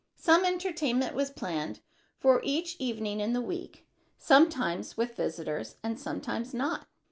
Some entertainment was planned for each evening in the week, sometimes with visitors and sometimes not.